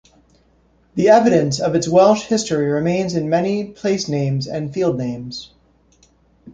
The evidence of its Welsh history remains in many placenames and field names.